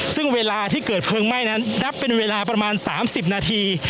ซึ่งเวลาที่เกิดเพลิงไหม้นั้นนับเป็นเวลาประมาณ๓๐นาที